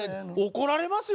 怒られますよ。